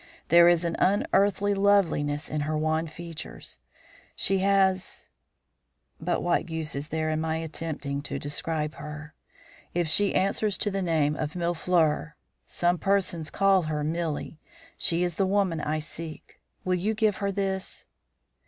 There is an unearthly loveliness in her wan features. She has But what use is there in my attempting to describe her? If she answers to the name of Mille fleurs some persons call her Millie she is the woman I seek. Will you give her this?"